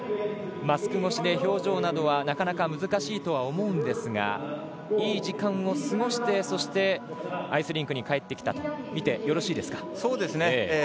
マスク越しで表情などはなかなか難しいとは思うんですがいい時間を過ごしてそしてアイスリンクに帰ってきたと見てよろしいですか。